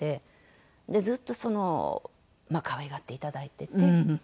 ずっとその可愛がっていただいてて。